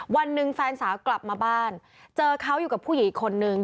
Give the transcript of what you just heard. วันหนึ่งแฟนสาวกลับมาบ้านเจอเขาอยู่กับผู้หญิงอีกคนนึง